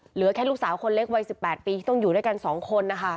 เหลือแค่ลูกสาวคนเล็กวัย๑๘ปีที่ต้องอยู่ด้วยกัน๒คนนะคะ